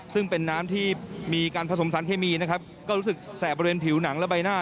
ซึ่งเป็นน้ำที่มีการผสมสารเคมีนะครับก็รู้สึกแสบบริเวณผิวหนังและใบหน้า